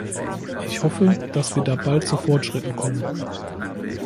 Ich hoffe, dass wir da bald zu Fortschritten kommen.